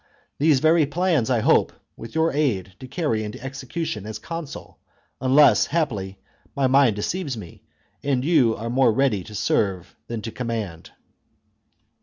These very plans I hope, with your chap.xx aid, to carry into execution as consul, unless, haply, my mind deceives me, and you are more ready to serve than to command."